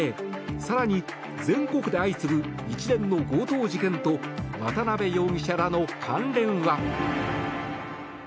更に、全国で相次ぐ一連の強盗事件と渡邉容疑者らの関連は。